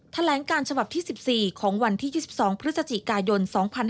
แถลงการฉบับที่๑๔ของวันที่๒๒พฤศจิกายน๒๕๕๙